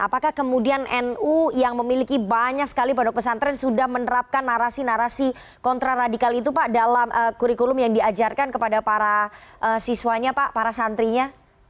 apakah kemudian nu yang memiliki banyak sekali pondok pesantren sudah menerapkan narasi narasi kontraradikal itu pak dalam kurikulum yang diajarkan kepada para siswanya pak para santrinya